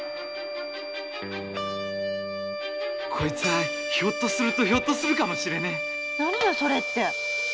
こいつはひょっとするとひょっとするかもしれねえ。